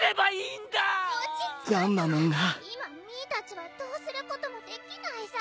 今ミーたちはどうすることもできないさ。